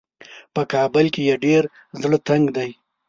په کابل کې یې ډېر زړه تنګ دی.